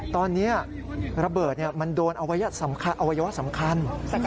ตอนนี้ระเบิดมันโดนอวัยวะสำคัญ